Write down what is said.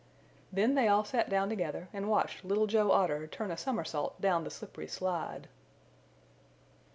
Then they all sat down together and watched Little Joe Otter turn a somersault down the slippery slide.